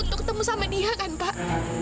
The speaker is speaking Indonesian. untuk ketemu sama dia kan pak